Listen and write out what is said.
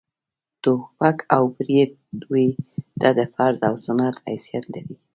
ټوپک او برېت دوى ته د فرض و سنت حيثيت لري.